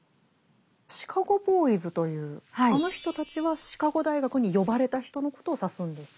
シカゴ・ボーイズというあの人たちはシカゴ大学に呼ばれた人のことを指すんですか？